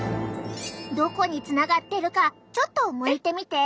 どこにつながってるかちょっとむいてみて！